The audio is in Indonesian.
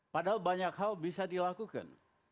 padahal banyak hal bisa dilakukan